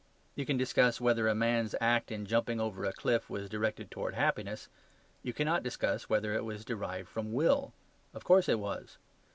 You can discuss whether a man's act in jumping over a cliff was directed towards happiness; you cannot discuss whether it was derived from will. Of course it was.